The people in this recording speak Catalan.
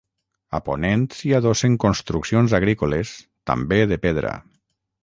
A ponent s'hi adossen construccions agrícoles, també de pedra.